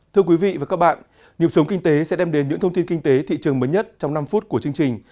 thưa quý vị và các bạn nhiệm sống kinh tế sẽ đem đến những thông tin kinh tế thị trường mới nhất trong năm phút của chương trình